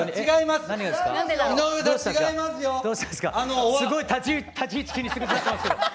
すごい立ち位置気にして下さってますけど。